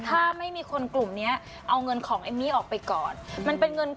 ถ้าไม่มีคนกลุ่มเนี่ยเอาเงินของเอมมี่ออกไปก่อน